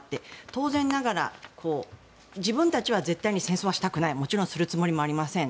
当然ながら自分たちは絶対に戦争はしたくないもちろんするつもりもありません。